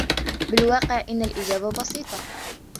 بالواقع إن الإجابة بسيطة.